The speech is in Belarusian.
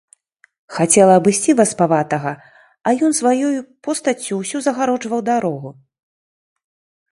Хацела абысці васпаватага, а ён сваёю постаццю ўсё загароджваў дарогу.